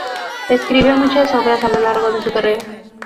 Escribió muchas obras a lo largo de su carrera.